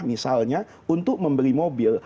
misalnya untuk membeli mobil